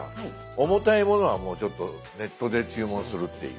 重たいものはもうちょっとネットで注文するっていう。